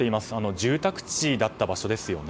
住宅地だった場所ですよね。